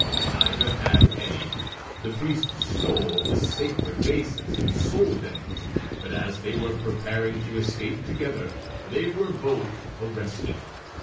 Neither had any. The priest stole the sacred vases, and sold them; but as they were preparing to escape together, they were both arrested.